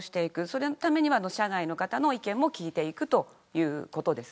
そのためには社内の方の意見も聞いていくということです。